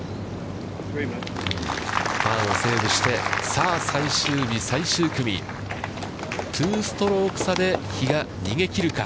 パーをセーブして、さあ、最終日、最終組、２ストローク差で比嘉、逃げ切るか。